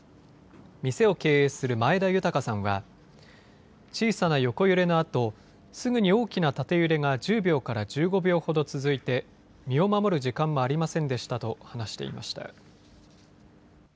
店を経営する前田豊さんは、小さな横揺れのあとすぐに大きな縦揺れが１０秒から１５秒ほど続いて身を守る時間もありませんでしたと話していました。